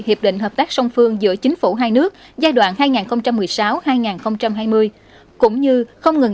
hiệp định hợp tác song phương giữa chính phủ hai nước giai đoạn hai nghìn một mươi sáu hai nghìn hai mươi cũng như không ngừng